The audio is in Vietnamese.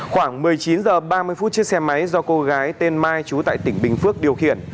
khoảng một mươi chín h ba mươi phút chiếc xe máy do cô gái tên mai chú tại tỉnh bình phước điều khiển